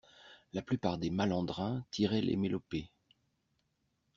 La plupart des malandrins tiraient les mélopées!